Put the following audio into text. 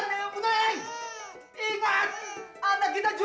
saya tidak berani jangan berani